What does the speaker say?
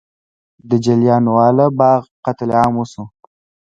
د جلیانواله باغ قتل عام وشو.